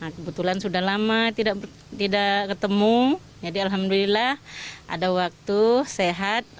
kebetulan sudah lama tidak ketemu jadi alhamdulillah ada waktu sehat